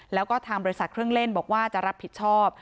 แล้วก็ทางบริษัทเครื่องเล่นบอกว่าจะรับผิดชอบ